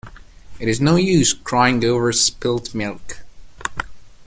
It is no use crying over spilt milk.